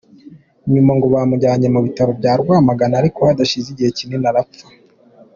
Nyuma ngo bamujyanye mu bitaro bya Rwamagana, ariko hadashize igihe kinini arapfa.